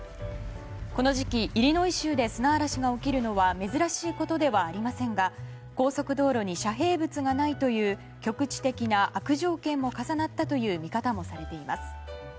この時期、イリノイ州で砂嵐が起きるのは珍しいことではありませんが高速道路に遮蔽物がないという局地的な悪条件も重なったという見方もされています。